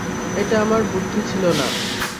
এটা আমার বুদ্ধি ছিল না।